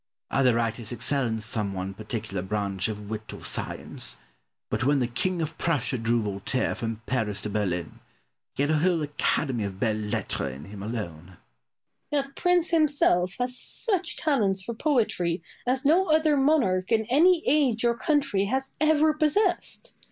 Other writers excel in some one particular branch of wit or science; but when the King of Prussia drew Voltaire from Paris to Berlin, he had a whole academy of belles lettres in him alone. Boileau. That prince himself has such talents for poetry as no other monarch in any age or country has ever possessed.